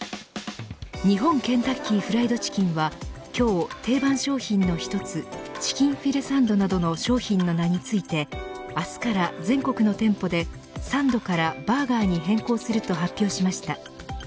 日本ケンタッキー・フライド・チキンは今日、定番商品の１つチキンフィレサンドなどの商品の名について明日から全国の店舗でサンドからバーガーに変更すると発表しました。